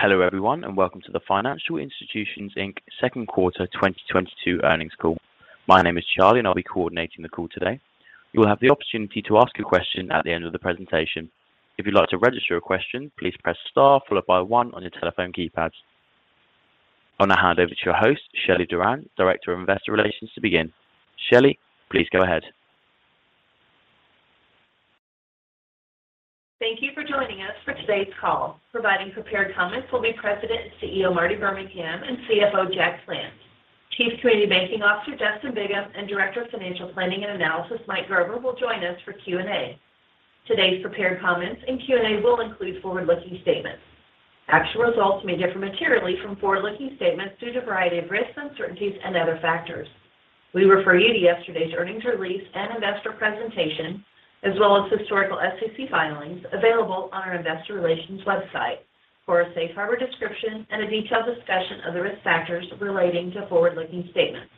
Hello everyone, and welcome to the Financial Institutions, Inc. Second Quarter 2022 Earnings Call. My name is Charlie, and I'll be coordinating the call today. You will have the opportunity to ask a question at the end of the presentation. If you'd like to register a question, please press star followed by one on your telephone keypads. I'll now hand over to your host, Shelly Doran, Director of Investor Relations, to begin. Shelly, please go ahead. Thank you for joining us for today's call. Providing prepared comments will be President and CEO, Marty Birmingham, and CFO, Jack Plant. Chief Community Banking Officer, Justin Bigham, and Director of Financial Planning and Analysis, Mike Gerber, will join us for Q&A. Today's prepared comments and Q&A will include forward-looking statements. Actual results may differ materially from forward-looking statements due to a variety of risks, uncertainties, and other factors. We refer you to yesterday's earnings release and investor presentation as well as historical SEC filings available on our investor relations website for a safe harbor description and a detailed discussion of the risk factors relating to forward-looking statements.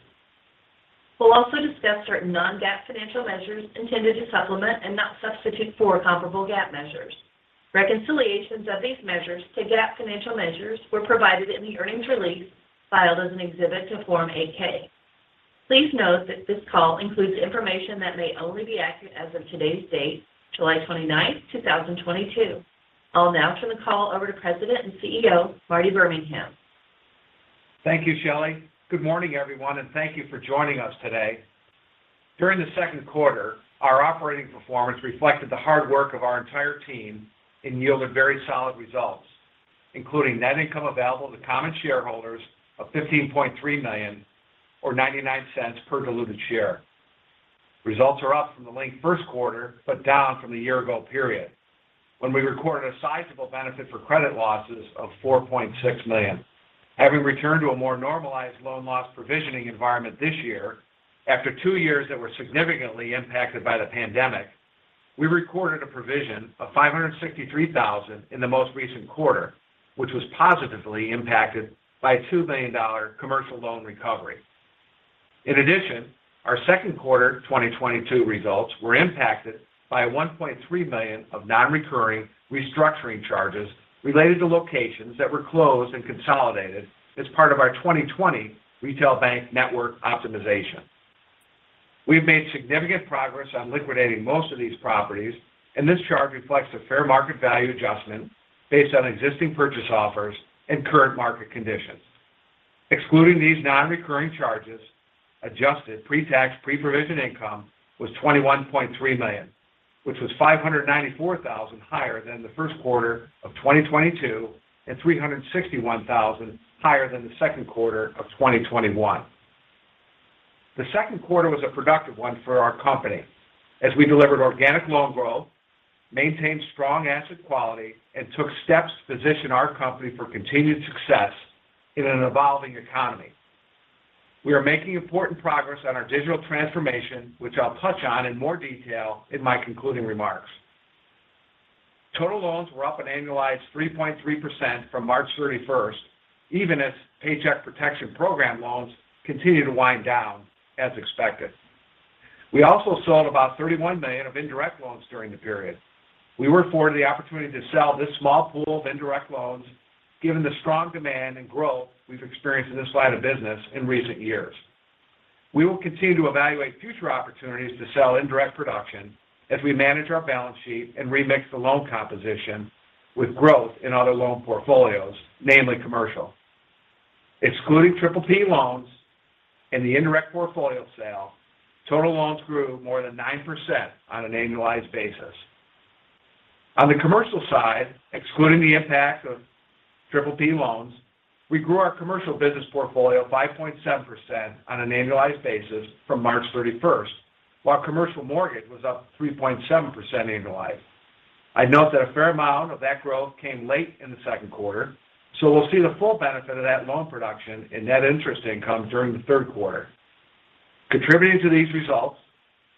We'll also discuss certain non-GAAP financial measures intended to supplement and not substitute for comparable GAAP measures. Reconciliations of these measures to GAAP financial measures were provided in the earnings release filed as an exhibit to Form 8-K. Please note that this call includes information that may only be accurate as of today's date, July twenty-ninth, two thousand twenty-two. I'll now turn the call over to President and CEO Marty Birmingham. Thank you, Shelly. Good morning, everyone, and thank you for joining us today. During the second quarter, our operating performance reflected the hard work of our entire team and yielded very solid results, including net income available to common shareholders of $15.3 million or $0.99 per diluted share. Results are up from the linked first quarter, but down from the year ago period when we recorded a sizable benefit for credit losses of $4.6 million. Having returned to a more normalized loan loss provisioning environment this year after two years that were significantly impacted by the pandemic, we recorded a provision of $563,000 in the most recent quarter, which was positively impacted by a $2 million commercial loan recovery. In addition, our second quarter 2022 results were impacted by $1.3 million of non-recurring restructuring charges related to locations that were closed and consolidated as part of our 2020 Retail Bank Network Optimization. We've made significant progress on liquidating most of these properties, and this charge reflects a fair market value adjustment based on existing purchase offers and current market conditions. Excluding these non-recurring charges, adjusted pre-tax, pre-provision income was $21.3 million, which was $594,000 higher than the first quarter of 2022 and $361,000 higher than the second quarter of 2021. The second quarter was a productive one for our company as we delivered organic loan growth, maintained strong asset quality, and took steps to position our company for continued success in an evolving economy. We are making important progress on our digital transformation, which I'll touch on in more detail in my concluding remarks. Total loans were up an annualized 3.3% from March 31, even as Paycheck Protection Program loans continue to wind down as expected. We also sold about $31 million of indirect loans during the period. We were afforded the opportunity to sell this small pool of indirect loans given the strong demand and growth we've experienced in this line of business in recent years. We will continue to evaluate future opportunities to sell indirect production as we manage our balance sheet and remix the loan composition with growth in other loan portfolios, namely commercial. Excluding Triple P loans and the indirect portfolio sale, total loans grew more than 9% on an annualized basis. On the commercial side, excluding the impact of Triple P loans, we grew our commercial business portfolio 5.7% on an annualized basis from March thirty-first, while commercial mortgage was up 3.7% annualized. I'd note that a fair amount of that growth came late in the second quarter, so we'll see the full benefit of that loan production in net interest income during the third quarter. Contributing to these results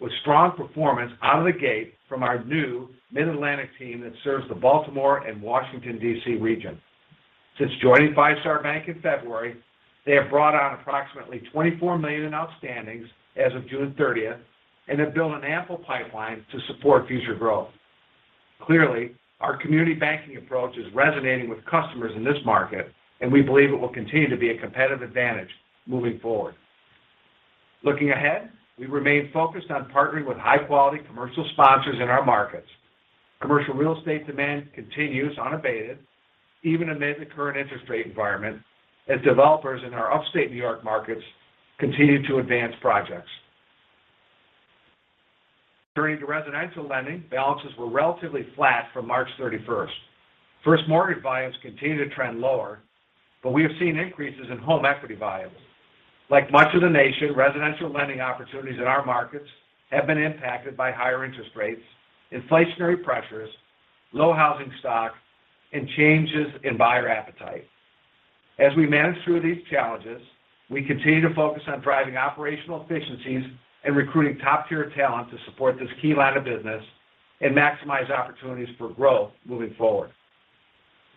was strong performance out of the gate from our new Mid-Atlantic team that serves the Baltimore and Washington, D.C. region. Since joining Five Star Bank in February, they have brought on approximately $24 million in outstandings as of June thirtieth and have built an ample pipeline to support future growth. Clearly, our community banking approach is resonating with customers in this market, and we believe it will continue to be a competitive advantage moving forward. Looking ahead, we remain focused on partnering with high-quality commercial sponsors in our markets. Commercial real estate demand continues unabated even amid the current interest rate environment as developers in our upstate New York markets continue to advance projects. Turning to residential lending, balances were relatively flat from March 31. First mortgage volumes continue to trend lower, but we have seen increases in home equity volumes. Like much of the nation, residential lending opportunities in our markets have been impacted by higher interest rates, inflationary pressures, low housing stock, and changes in buyer appetite. As we manage through these challenges, we continue to focus on driving operational efficiencies and recruiting top-tier talent to support this key line of business and maximize opportunities for growth moving forward.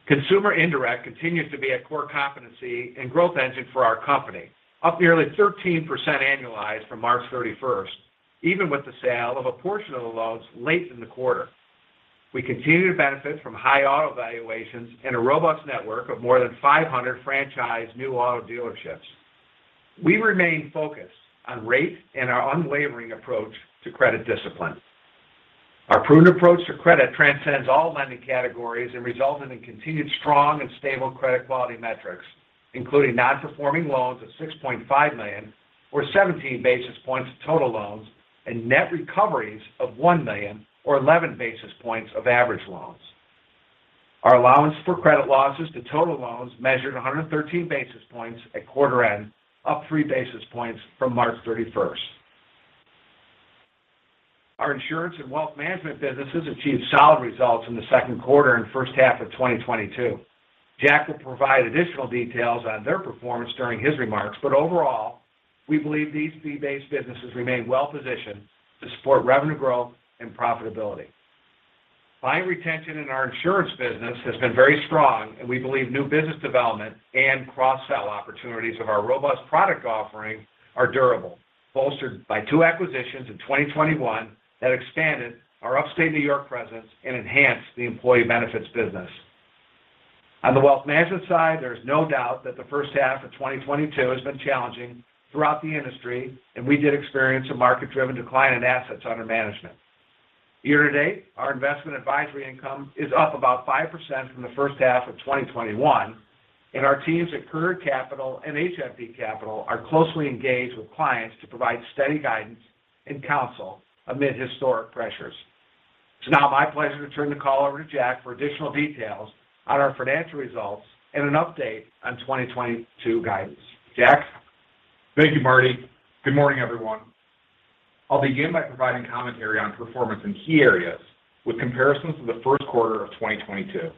Consumer indirect continues to be a core competency and growth engine for our company. Up nearly 13% annualized from March 31. Even with the sale of a portion of the loans late in the quarter. We continue to benefit from high auto valuations and a robust network of more than 500 franchise new auto dealerships. We remain focused on rate and our unwavering approach to credit discipline. Our prudent approach to credit transcends all lending categories and resulted in continued strong and stable credit quality metrics, including non-performing loans of $6.5 million or 17 basis points of total loans and net recoveries of $1 million or 11 basis points of average loans. Our allowance for credit losses to total loans measured 113 basis points at quarter end, up 3 basis points from March 31. Our insurance and Wealth Management businesses achieved solid results in the second quarter and first half of 2022. Jack will provide additional details on their performance during his remarks. Overall, we believe these fee-based businesses remain well positioned to support revenue growth and profitability. Client retention in our insurance business has been very strong, and we believe new business development and cross-sell opportunities of our robust product offering are durable, bolstered by two acquisitions in 2021 that expanded our upstate New York presence and enhanced the employee benefits business. On the Wealth Management side, there's no doubt that the first half of 2022 has been challenging throughout the industry, and we did experience a market-driven decline in assets under management. Year to date, our investment advisory income is up about 5% from the first half of 2021, and our teams at Courier Capital and HNP Capital are closely engaged with clients to provide steady guidance and counsel amid historic pressures. It's now my pleasure to turn the call over to Jack for additional details on our financial results and an update on 2022 guidance. Jack? Thank you, Marty. Good morning, everyone. I'll begin by providing commentary on performance in key areas with comparisons to the first quarter of 2022.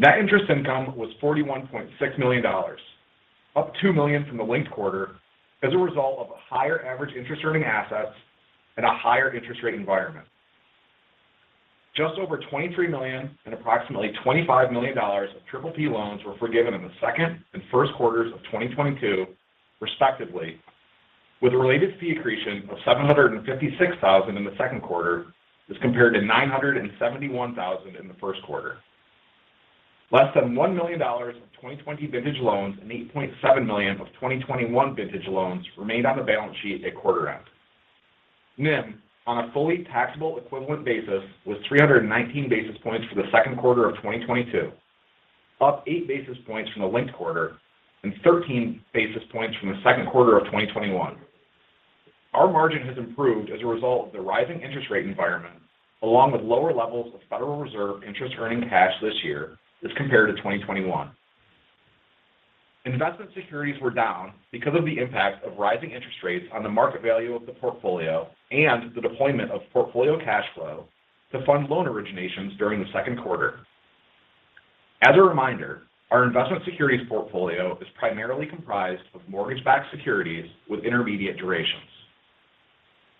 Net interest income was $41.6 million, up $2 million from the linked quarter as a result of higher average interest-earning assets and a higher interest rate environment. Just over $23 million and approximately $25 million of triple P loans were forgiven in the second and first quarters of 2022 respectively, with related fee accretion of $756 thousand in the second quarter as compared to $971 thousand in the first quarter. Less than $1 million of 2020 vintage loans and $8.7 million of 2021 vintage loans remained on the balance sheet at quarter end. NIM on a fully taxable equivalent basis was 319 basis points for the second quarter of 2022, up 8 basis points from the linked quarter and 13 basis points from the second quarter of 2021. Our margin has improved as a result of the rising interest rate environment along with lower levels of Federal Reserve interest earning cash this year as compared to 2021. Investment securities were down because of the impact of rising interest rates on the market value of the portfolio and the deployment of portfolio cash flow to fund loan originations during the second quarter. As a reminder, our investment securities portfolio is primarily comprised of mortgage-backed securities with intermediate durations.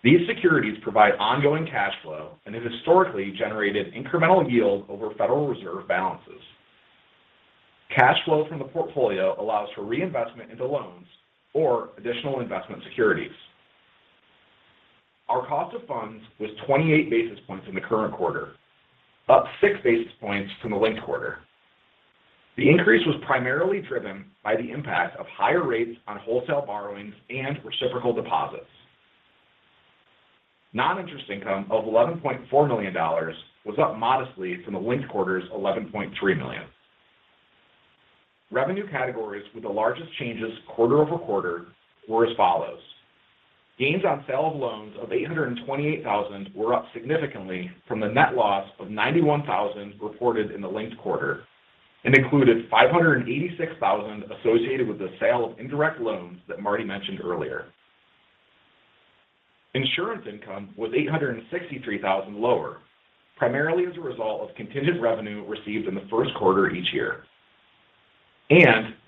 These securities provide ongoing cash flow and have historically generated incremental yield over Federal Reserve balances. Cash flow from the portfolio allows for reinvestment into loans or additional investment securities. Our cost of funds was 28 basis points in the current quarter, up 6 basis points from the linked quarter. The increase was primarily driven by the impact of higher rates on wholesale borrowings and reciprocal deposits. Non-interest income of $11.4 million was up modestly from the linked quarter's $11.3 million. Revenue categories with the largest changes quarter-over-quarter were as follows. Gains on sale of loans of $828 thousand were up significantly from the net loss of $91 thousand reported in the linked quarter and included $586 thousand associated with the sale of indirect loans that Marty mentioned earlier. Insurance income was $863 thousand lower, primarily as a result of contingent revenue received in the first quarter each year.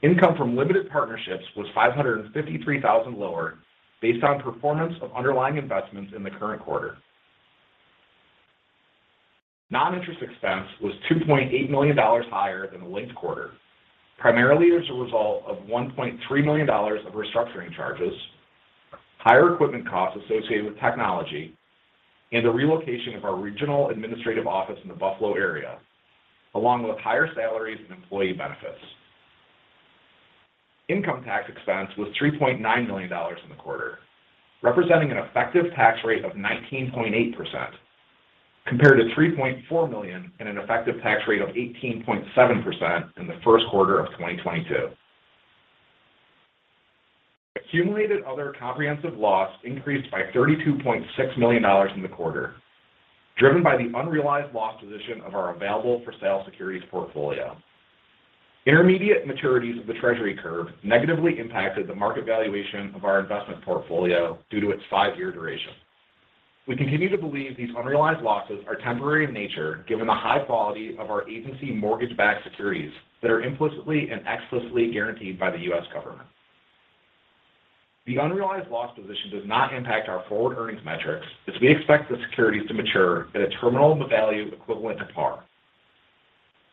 Income from limited partnerships was $553,000 lower based on performance of underlying investments in the current quarter. Non-interest expense was $2.8 million higher than the linked quarter, primarily as a result of $1.3 million of restructuring charges, higher equipment costs associated with technology, and the relocation of our regional administrative office in the Buffalo area, along with higher salaries and employee benefits. Income tax expense was $3.9 million in the quarter, representing an effective tax rate of 19.8% compared to $3.4 million and an effective tax rate of 18.7% in the first quarter of 2022. Accumulated other comprehensive loss increased by $32.6 million in the quarter, driven by the unrealized loss position of our available-for-sale securities portfolio. Intermediate maturities of the Treasury curve negatively impacted the market valuation of our investment portfolio due to its five-year duration. We continue to believe these unrealized losses are temporary in nature given the high quality of our agency mortgage-backed securities that are implicitly and explicitly guaranteed by the U.S. government. The unrealized loss position does not impact our forward earnings metrics as we expect the securities to mature at a terminal value equivalent to par.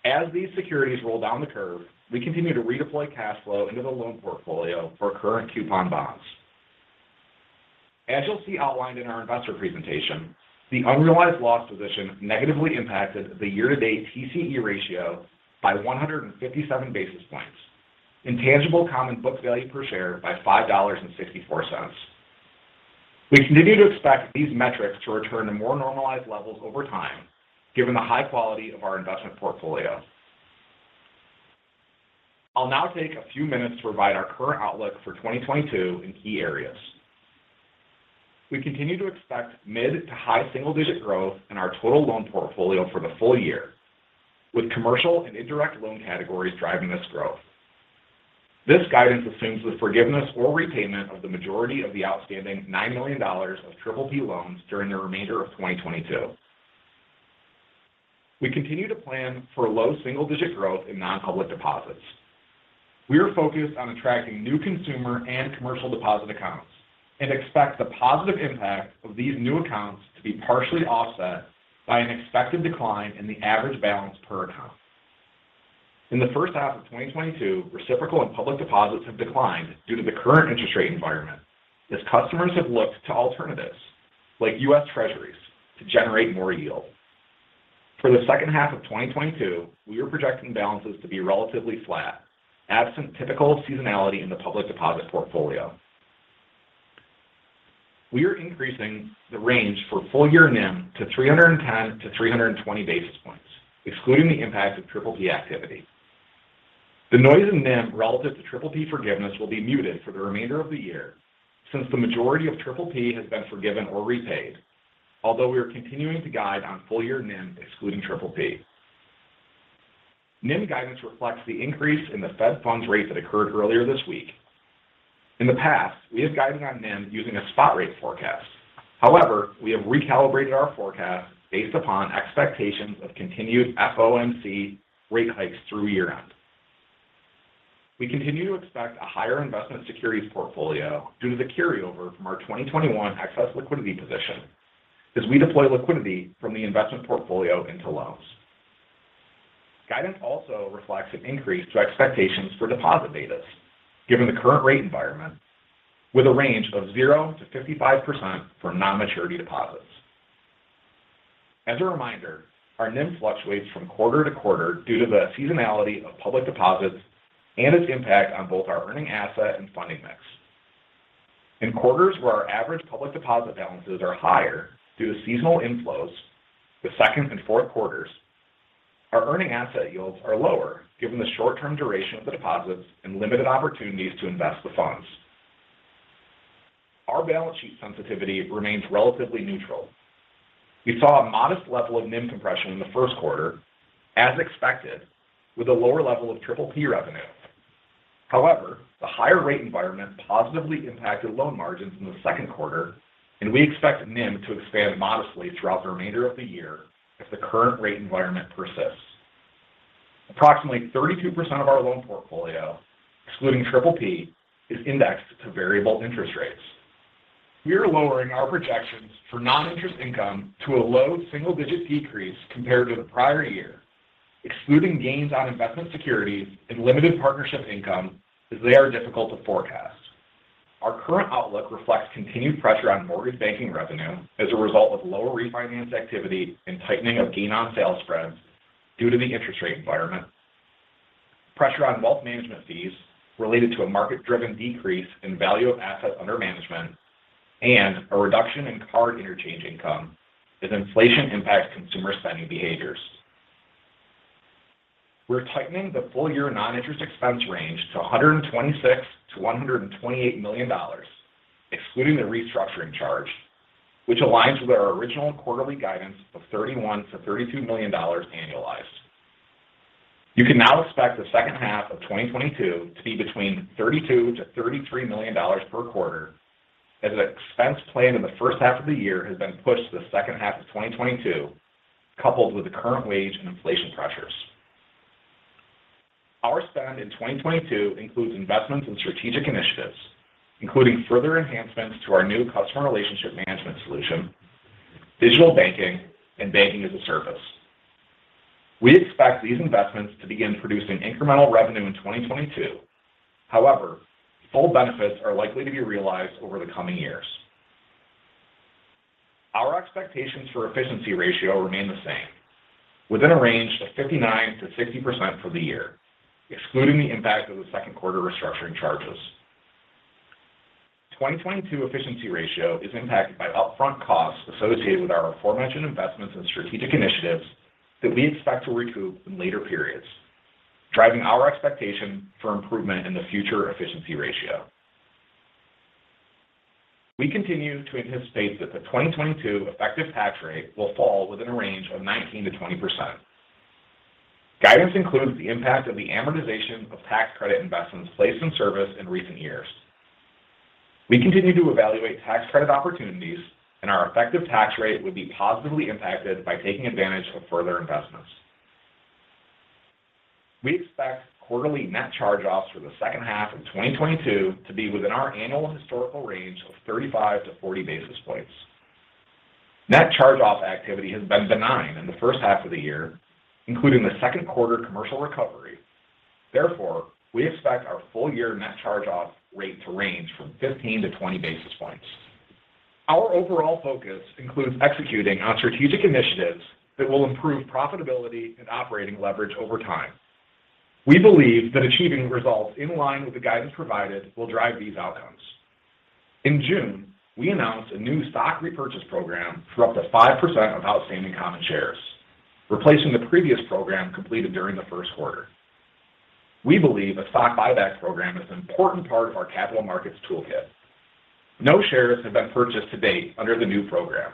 As these securities roll down the curve, we continue to redeploy cash flow into the loan portfolio for current coupon bonds. As you'll see outlined in our investor presentation, the unrealized loss position negatively impacted the year-to-date TCE ratio by 157 basis points and tangible common book value per share by $5.64. We continue to expect these metrics to return to more normalized levels over time given the high quality of our investment portfolio. I'll now take a few minutes to provide our current outlook for 2022 in key areas. We continue to expect mid- to high single-digit growth in our total loan portfolio for the full year with commercial and indirect loan categories driving this growth. This guidance assumes the forgiveness or repayment of the majority of the outstanding $9 million of Triple P loans during the remainder of 2022. We continue to plan for low single-digit growth in non-public deposits. We are focused on attracting new consumer and commercial deposit accounts and expect the positive impact of these new accounts to be partially offset by an expected decline in the average balance per account. In the first half of 2022, reciprocal and public deposits have declined due to the current interest rate environment as customers have looked to alternatives like U.S. Treasuries to generate more yield. For the second half of 2022, we are projecting balances to be relatively flat absent typical seasonality in the public deposit portfolio. We are increasing the range for full-year NIM to 310-320 basis points, excluding the impact of Triple P activity. The noise in NIM relative to Triple P forgiveness will be muted for the remainder of the year since the majority of Triple P has been forgiven or repaid. Although we are continuing to guide on full-year NIM excluding Triple P. NIM guidance reflects the increase in the Fed funds rate that occurred earlier this week. In the past, we have guided on NIM using a spot rate forecast. However, we have recalibrated our forecast based upon expectations of continued FOMC rate hikes through year-end. We continue to expect a higher investment securities portfolio due to the carryover from our 2021 excess liquidity position as we deploy liquidity from the investment portfolio into loans. Guidance also reflects an increase to expectations for deposit betas given the current rate environment with a range of 0%-55% for non-maturity deposits. As a reminder, our NIM fluctuates from quarter to quarter due to the seasonality of public deposits and its impact on both our earning asset and funding mix. In quarters where our average public deposit balances are higher due to seasonal inflows, the second and fourth quarters, our earning asset yields are lower given the short term duration of the deposits and limited opportunities to invest the funds. Our balance sheet sensitivity remains relatively neutral. We saw a modest level of NIM compression in the first quarter as expected with a lower level of Triple P revenue. However, the higher rate environment positively impacted loan margins in the second quarter, and we expect NIM to expand modestly throughout the remainder of the year if the current rate environment persists. Approximately 32% of our loan portfolio, excluding Triple P, is indexed to variable interest rates. We are lowering our projections for non-interest income to a low single-digit decrease compared to the prior year. Excluding gains on investment securities and limited partnership income, as they are difficult to forecast. Our current outlook reflects continued pressure on mortgage banking revenue as a result of lower refinance activity and tightening of gain on sale spreads due to the interest rate environment. Pressure on Wealth Management fees related to a market-driven decrease in value of assets under management and a reduction in card interchange income as inflation impacts consumer spending behaviors. We're tightening the full-year non-interest expense range to $126 million-$128 million, excluding the restructuring charge, which aligns with our original quarterly guidance of $31 million-$32 million annualized. You can now expect the second half of 2022 to be between $32 million-$33 million per quarter as the expense planned in the first half of the year has been pushed to the second half of 2022, coupled with the current wage and inflation pressures. Our spend in 2022 includes investments in strategic initiatives, including further enhancements to our new customer relationship management solution, digital banking, and banking-as-a-service. We expect these investments to begin producing incremental revenue in 2022. However, full benefits are likely to be realized over the coming years. Our expectations for efficiency ratio remain the same within a range of 59%-60% for the year, excluding the impact of the second quarter restructuring charges. 2022 efficiency ratio is impacted by upfront costs associated with our aforementioned investments and strategic initiatives that we expect to recoup in later periods, driving our expectation for improvement in the future efficiency ratio. We continue to anticipate that the 2022 effective tax rate will fall within a range of 19%-20%. Guidance includes the impact of the amortization of tax credit investments placed in service in recent years. We continue to evaluate tax credit opportunities, and our effective tax rate would be positively impacted by taking advantage of further investments. We expect quarterly net charge-offs for the second half of 2022 to be within our annual historical range of 35-40 basis points. Net charge-off activity has been benign in the first half of the year, including the second quarter commercial recovery. Therefore, we expect our full year net charge-off rate to range from 15-20 basis points. Our overall focus includes executing on strategic initiatives that will improve profitability and operating leverage over time. We believe that achieving results in line with the guidance provided will drive these outcomes. In June, we announced a new stock repurchase program for up to 5% of outstanding common shares, replacing the previous program completed during the first quarter. We believe a stock buyback program is an important part of our capital markets toolkit. No shares have been purchased to date under the new program.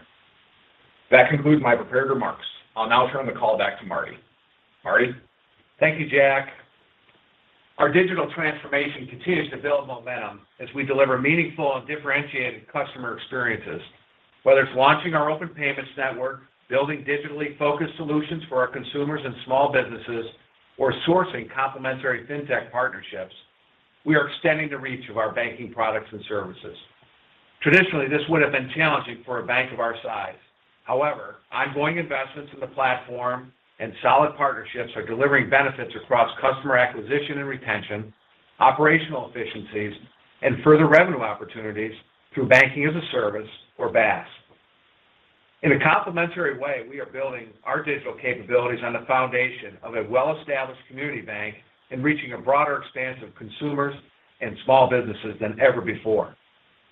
That concludes my prepared remarks. I'll now turn the call back to Marty. Marty. Thank you, Jack. Our digital transformation continues to build momentum as we deliver meaningful and differentiated customer experiences. Whether it's launching our open payments network, building digitally focused solutions for our consumers and small businesses, or sourcing complementary FinTech partnerships, we are extending the reach of our banking products and services. Traditionally, this would have been challenging for a bank of our size. However, ongoing investments in the platform and solid partnerships are delivering benefits across customer acquisition and retention, operational efficiencies, and further revenue opportunities through banking as a service or BaaS. In a complementary way, we are building our digital capabilities on the foundation of a well-established community bank and reaching a broader expanse of consumers and small businesses than ever before.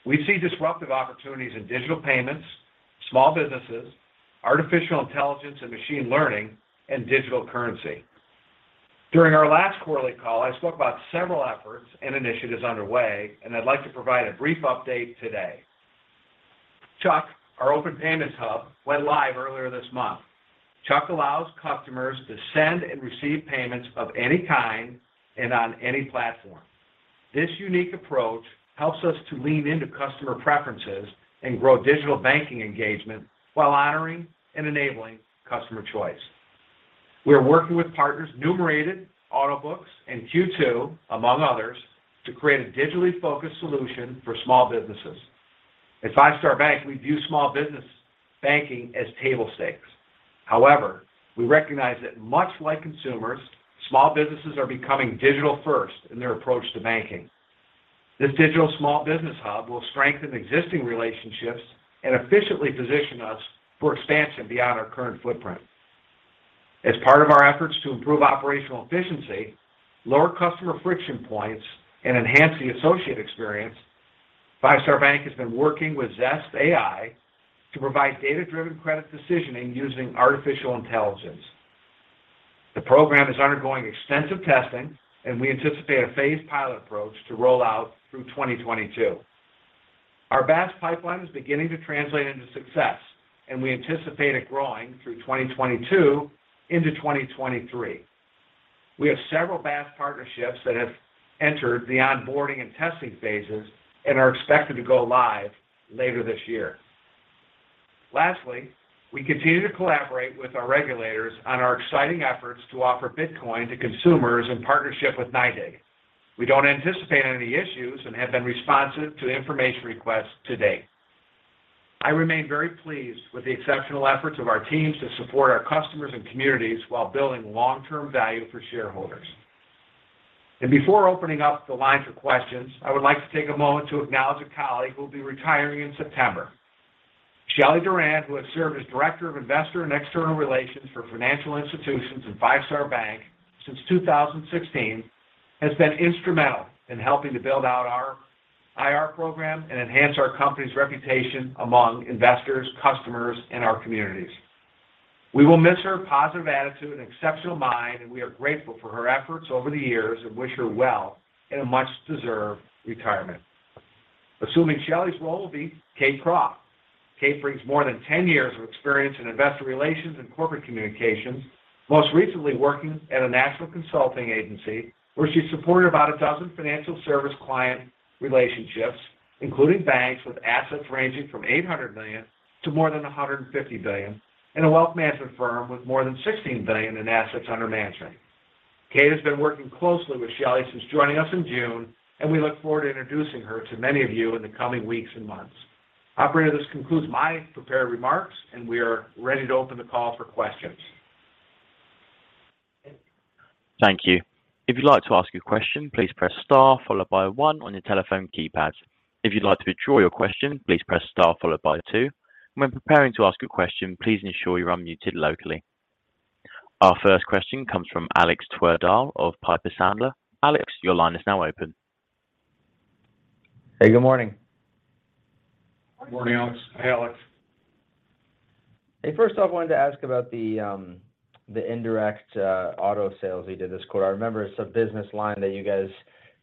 We see disruptive opportunities in digital payments, small businesses, artificial intelligence and machine learning, and digital currency. During our last quarterly call, I spoke about several efforts and initiatives underway, and I'd like to provide a brief update today. CHUCK, our open payments hub, went live earlier this month. CHUCK allows customers to send and receive payments of any kind and on any platform. This unique approach helps us to lean into customer preferences and grow digital banking engagement while honoring and enabling customer choice. We are working with partners Numerated, Autobooks, and Q2, among others, to create a digitally focused solution for small businesses. At Five Star Bank, we view small business banking as table stakes. However, we recognize that much like consumers, small businesses are becoming digital first in their approach to banking. This digital small business hub will strengthen existing relationships and efficiently position us for expansion beyond our current footprint. As part of our efforts to improve operational efficiency, lower customer friction points, and enhance the associate experience, Five Star Bank has been working with Zest AI to provide data-driven credit decisioning using artificial intelligence. The program is undergoing extensive testing, and we anticipate a phased pilot approach to roll out through 2022. Our BaaS pipeline is beginning to translate into success, and we anticipate it growing through 2022 into 2023. We have several BaaS partnerships that have entered the onboarding and testing phases and are expected to go live later this year. Lastly, we continue to collaborate with our regulators on our exciting efforts to offer Bitcoin to consumers in partnership with NYDIG. We don't anticipate any issues and have been responsive to the information requests to date. I remain very pleased with the exceptional efforts of our teams to support our customers and communities while building long-term value for shareholders. Before opening up the line for questions, I would like to take a moment to acknowledge a colleague who will be retiring in September. Shelly Doran, who has served as Director of Investor and External Relations for Financial Institutions and Five Star Bank since 2016, has been instrumental in helping to build out our IR program and enhance our company's reputation among investors, customers, and our communities. We will miss her positive attitude and exceptional mind, and we are grateful for her efforts over the years and wish her well in a much-deserved retirement. Assuming Shelly's role will be Kate Croft. Kate brings more than 10 years of experience in investor relations and corporate communications, most recently working at a national consulting agency where she supported about a dozen financial service client relationships, including banks with assets ranging from $800 million to more than $150 billion, and a Wealth Management firm with more than $16 billion in assets under management. Kate has been working closely with Shelly since joining us in June, and we look forward to introducing her to many of you in the coming weeks and months. Operator, this concludes my prepared remarks, and we are ready to open the call for questions. Thank you. If you'd like to ask a question, please press star followed by one on your telephone keypad. If you'd like to withdraw your question, please press star followed by two. When preparing to ask a question, please ensure you're unmuted locally. Our first question comes from Alexander Twerdahl of Piper Sandler. Alex, your line is now open. Hey, good morning. Good morning, Alex. Hey, Alex. Hey, first off, I wanted to ask about the indirect auto sales you did this quarter. I remember it's a business line that you guys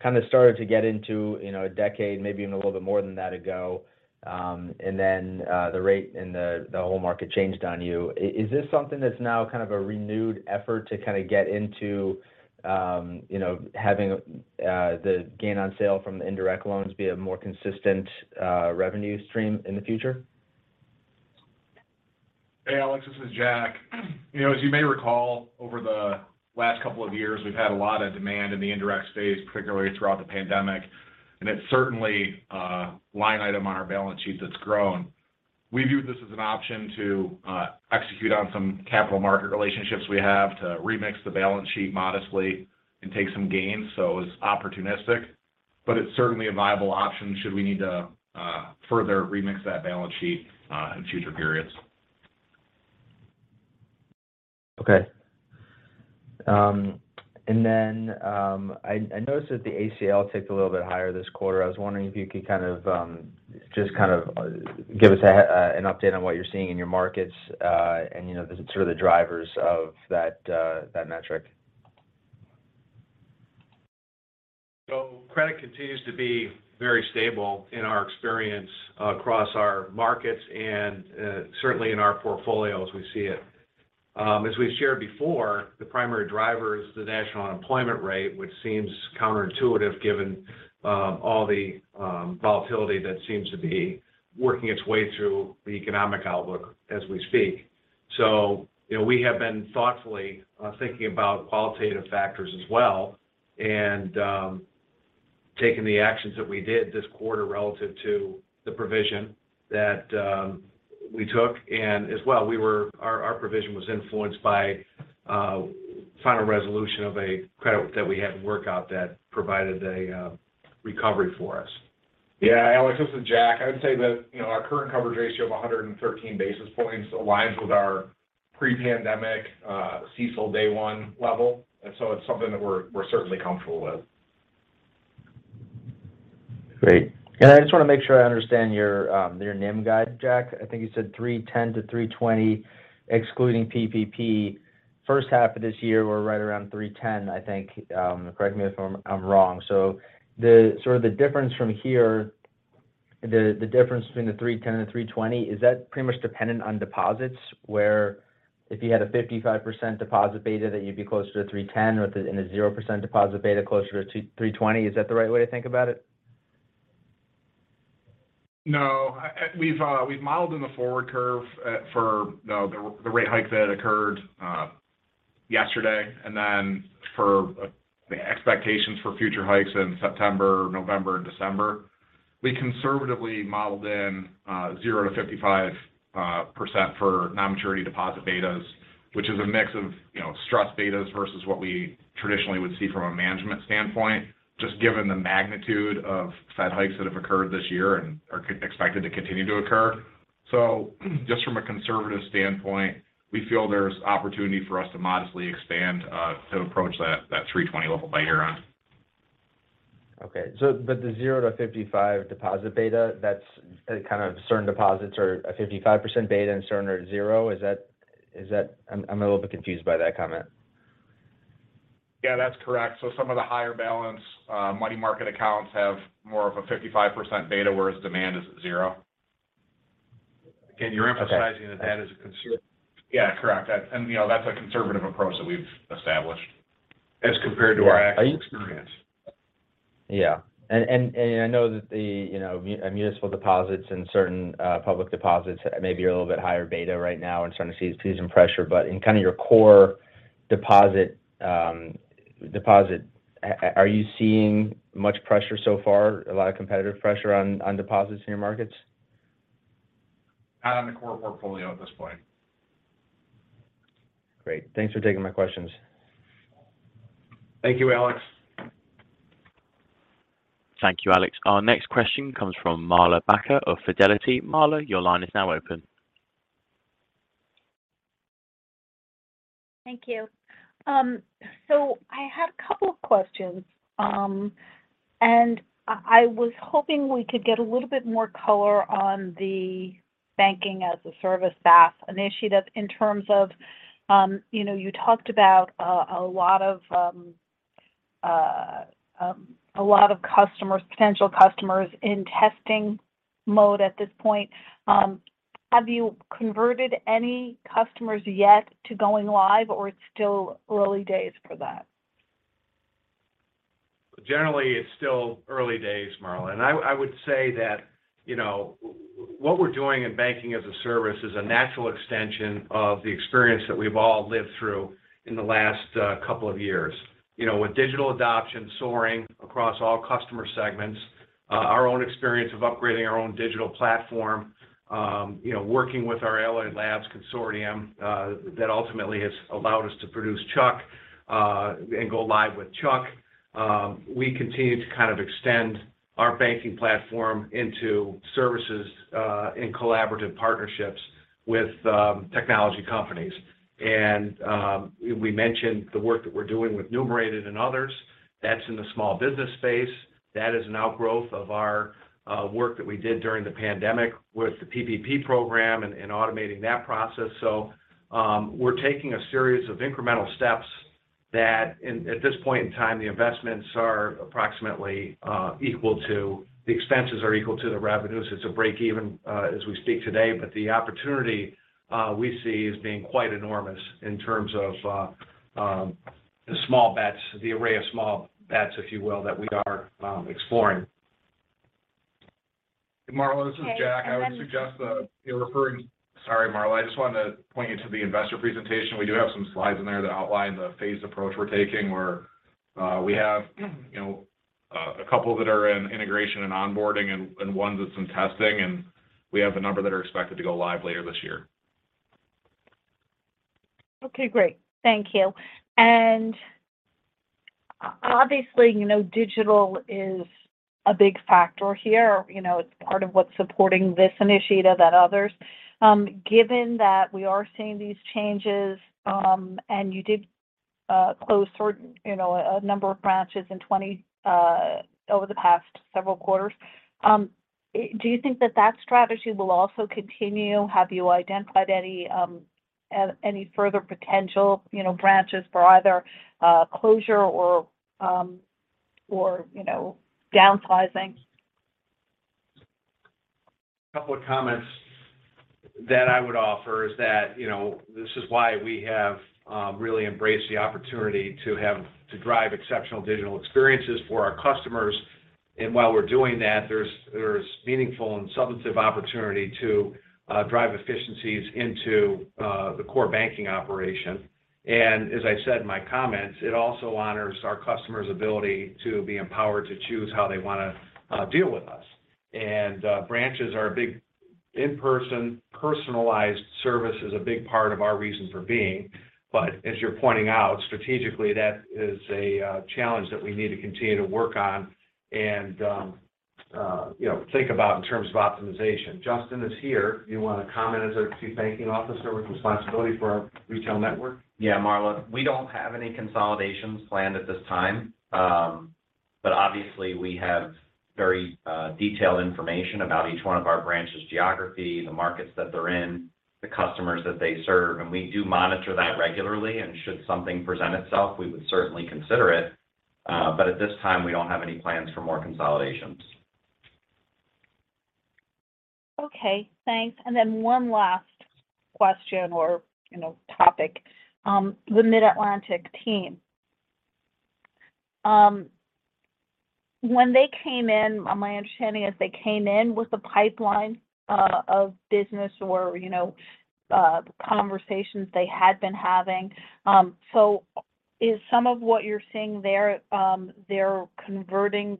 kind of started to get into, you know, a decade, maybe even a little bit more than that ago, and then the rate and the whole market changed on you. Is this something that's now kind of a renewed effort to kind of get into, you know, having the gain on sale from the indirect loans be a more consistent revenue stream in the future? Hey, Alex, this is Jack. You know, as you may recall, over the last couple of years we've had a lot of demand in the indirect space, particularly throughout the pandemic, and it's certainly a line item on our balance sheet that's grown. We view this as an option to execute on some capital market relationships we have to remix the balance sheet modestly and take some gains. It's opportunistic, but it's certainly a viable option should we need to further remix that balance sheet in future periods. I noticed that the ACL ticked a little bit higher this quarter. I was wondering if you could kind of just kind of give us an update on what you're seeing in your markets, and you know, the sort of drivers of that metric. Credit continues to be very stable in our experience across our markets and certainly in our portfolios, we see it. As we've shared before, the primary driver is the national unemployment rate, which seems counterintuitive given all the volatility that seems to be working its way through the economic outlook as we speak. You know, we have been thoughtfully thinking about qualitative factors as well and taking the actions that we did this quarter relative to the provision that we took. As well, our provision was influenced by final resolution of a credit that we had in workout that provided a recovery for us. Yeah. Alex, this is Jack. I would say that, you know, our current coverage ratio of 113 basis points aligns with our pre-pandemic CECL day one level. It's something that we're certainly comfortable with. Great. I just want to make sure I understand your your NIM guide, Jack. I think you said 3.10%-3.20% excluding PPP. First half of this year were right around 3.10%, I think, correct me if I'm wrong. The sort of difference from here, the difference between the 3.10% and 3.20%, is that pretty much dependent on deposits, where if you had a 55% deposit beta that you'd be closer to 3.10% or in a 0% deposit beta closer to 3.20%? Is that the right way to think about it? No. We've modeled in the forward curve for the rate hike that occurred yesterday and then for the expectations for future hikes in September, November, December. We conservatively modeled in 0%-55% for non-maturity deposit betas, which is a mix of, you know, stress betas versus what we traditionally would see from a management standpoint, just given the magnitude of Fed hikes that have occurred this year and are expected to continue to occur. Just from a conservative standpoint, we feel there's opportunity for us to modestly expand to approach that 3.20 level by year-end. The 0-55 deposit beta, that's kind of certain deposits are a 55% beta and certain are 0. Is that? I'm a little bit confused by that comment. Yeah, that's correct. Some of the higher balance money market accounts have more of a 55% beta, whereas demand is 0. Again, you're emphasizing that is a conservative- Yeah, correct. You know, that's a conservative approach that we've established as compared to our actual experience. I know that, you know, the municipal deposits and certain public deposits maybe are a little bit higher beta right now and starting to see some pressure. In kind of your core deposit are you seeing much pressure so far, a lot of competitive pressure on deposits in your markets? Not on the core portfolio at this point. Great. Thanks for taking my questions. Thank you, Alex. Thank you, Alex. Our next question comes from Marla Backer of Fidelity. Marla, your line is now open. Thank you. I had a couple of questions. I was hoping we could get a little bit more color on the banking-as-a-service, BaaS initiative in terms of, you know, you talked about a lot of customers, potential customers in testing mode at this point. Have you converted any customers yet to going live, or it's still early days for that? Generally, it's still early days, Marla. I would say that, you know, what we're doing in banking as a service is a natural extension of the experience that we've all lived through in the last couple of years. You know, with digital adoption soaring across all customer segments, our own experience of upgrading our own digital platform, you know, working with our Alloy Labs consortium, that ultimately has allowed us to produce CHUCK, and go live with CHUCK. We continue to kind of extend our banking platform into services in collaborative partnerships with technology companies. We mentioned the work that we're doing with Numerated and others. That's in the small business space. That is an outgrowth of our work that we did during the pandemic with the PPP program and automating that process. We're taking a series of incremental steps that at this point in time, the expenses are equal to the revenues. It's a break-even, as we speak today. The opportunity we see as being quite enormous in terms of the small bets, the array of small bets, if you will, that we are exploring. Marla, this is Jack. Okay. Sorry, Marla. I just wanted to point you to the investor presentation. We do have some slides in there that outline the phased approach we're taking, where we have, you know, a couple that are in integration and onboarding and ones with some testing. We have a number that are expected to go live later this year. Okay, great. Thank you. Obviously, you know, digital is a big factor here. You know, it's part of what's supporting this initiative and others. Given that we are seeing these changes, and you did close certain, you know, a number of branches in 2020, over the past several quarters, do you think that strategy will also continue? Have you identified any further potential, you know, branches for either closure or downsizing? A couple of comments that I would offer is that, you know, this is why we have really embraced the opportunity to have to drive exceptional digital experiences for our customers. While we're doing that, there's meaningful and substantive opportunity to drive efficiencies into the core banking operation. As I said in my comments, it also honors our customers' ability to be empowered to choose how they want to deal with us. Branches are a big in-person, personalized service is a big part of our reason for being. But as you're pointing out, strategically, that is a challenge that we need to continue to work on and, you know, think about in terms of optimization. Justin is here. Do you want to comment as our Chief Banking Officer with responsibility for our retail network? Yeah, Marla. We don't have any consolidations planned at this time. But obviously, we have very detailed information about each one of our branches' geography, the markets that they're in, the customers that they serve. We do monitor that regularly, and should something present itself, we would certainly consider it. At this time, we don't have any plans for more consolidations. Okay, thanks. One last question or, you know, topic. The Mid-Atlantic team. When they came in, my understanding is they came in with a pipeline of business or, you know, conversations they had been having. Is some of what you're seeing there, they're converting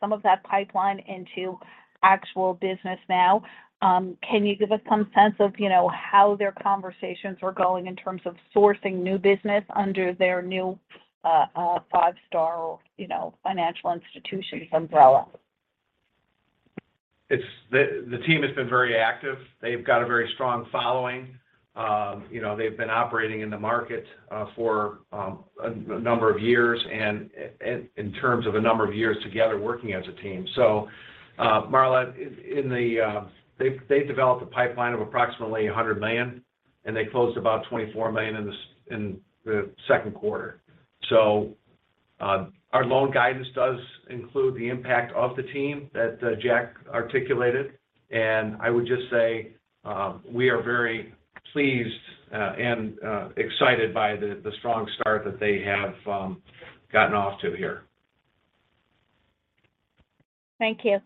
some of that pipeline into actual business now? Can you give us some sense of, you know, how their conversations are going in terms of sourcing new business under their new Five Star or, you know, Financial Institutions umbrella? The team has been very active. They've got a very strong following. You know, they've been operating in the market for a number of years and in terms of a number of years together working as a team. Marla, they've developed a pipeline of approximately $100 million, and they closed about $24 million in the second quarter. Our loan guidance does include the impact of the team that Jack articulated. I would just say we are very ple ased and excited by the strong start that they have gotten off to here. Thank you.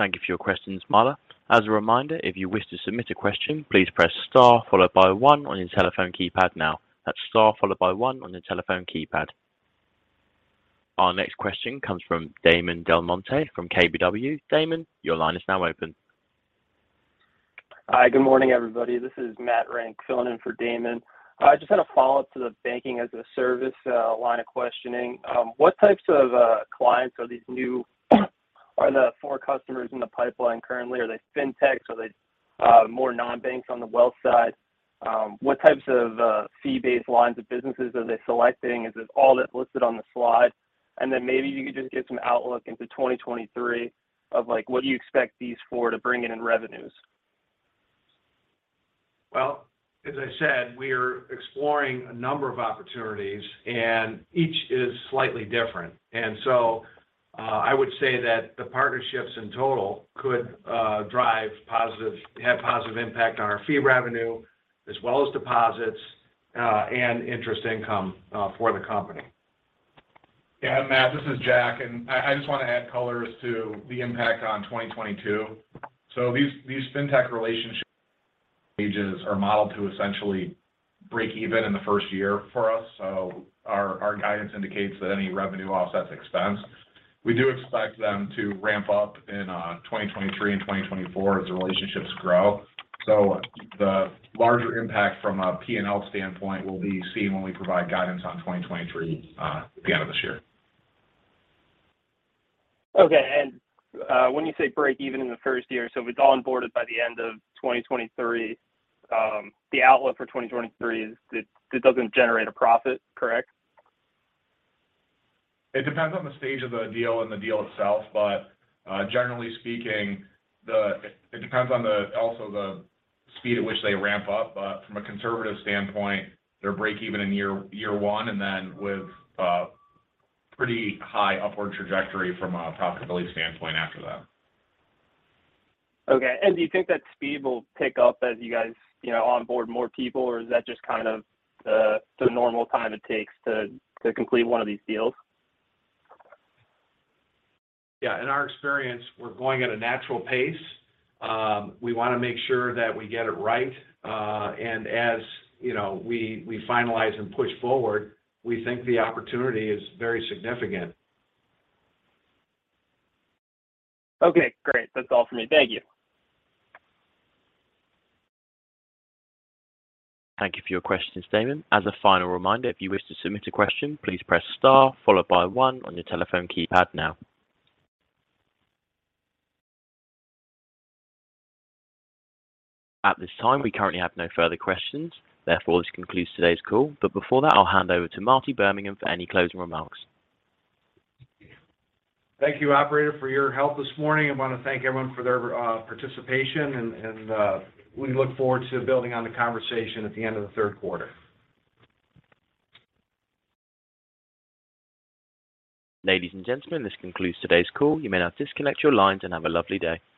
Thank you for your questions, Marla. As a reminder, if you wish to submit a question, please press star followed by one on your telephone keypad now. That's star followed by one on your telephone keypad. Our next question comes from Damon DelMonte from KBW. Damon, your line is now open. Hi, good morning, everybody. This is Matt Rank filling in for Damon. I just had a follow-up to the banking as a service line of questioning. What types of clients are the four customers in the pipeline currently? Are they FinTech? Are they more non-banks on the wealth side? What types of fee-based lines of businesses are they selecting? Is it all that's listed on the slide? Maybe you could just give some outlook into 2023 of, like, what do you expect these four to bring in in revenues? Well, as I said, we are exploring a number of opportunities and each is slightly different. I would say that the partnerships in total could have positive impact on our fee revenue as well as deposits, and interest income, for the company. Yeah. Matt, this is Jack, and I just want to add color as to the impact on 2022. These fintech relationship stages are modeled to essentially break even in the first year for us. Our guidance indicates that any revenue offsets expense. We do expect them to ramp up in 2023 and 2024 as the relationships grow. The larger impact from a P&L standpoint will be seen when we provide guidance on 2023 at the end of this year. Okay. When you say break even in the first year, if it's all onboarded by the end of 2023, the outlook for 2023 is it doesn't generate a profit, correct? It depends on the stage of the deal and the deal itself. Generally speaking, it depends on also the speed at which they ramp up. From a conservative standpoint, they're break even in year one, and then with pretty high upward trajectory from a profitability standpoint after that. Okay. Do you think that speed will pick up as you guys, you know, onboard more people? Or is that just kind of the normal time it takes to complete one of these deals? Yeah. In our experience, we're going at a natural pace. We want to make sure that we get it right. As you know, we finalize and push forward. We think the opportunity is very significant. Okay, great. That's all for me. Thank you. Thank you for your question, Damon. As a final reminder, if you wish to submit a question, please press star followed by one on your telephone keypad now. At this time, we currently have no further questions. Therefore, this concludes today's call. Before that, I'll hand over to Marty Birmingham for any closing remarks. Thank you, operator, for your help this morning. I want to thank everyone for their participation and we look forward to building on the conversation at the end of the third quarter. Ladies and gentlemen, this concludes today's call. You may now disconnect your lines and have a lovely day.